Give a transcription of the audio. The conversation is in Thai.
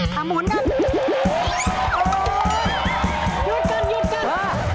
คำเหมือนเชิด